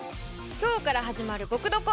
今日から始まる「ぼくドコ」！